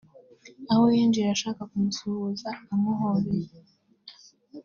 aho yinjiye ashaka kumusuhuza amuhobeye